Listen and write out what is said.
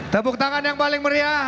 tepuk tangan yang paling meriah